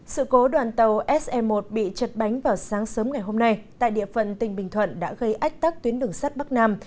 sự cố đoàn tàu se một bị chật bánh vào sáng sớm ngày hôm nay tại địa phận tỉnh bình thuận đã gây ách tắc tuyến đường sắt bắc nam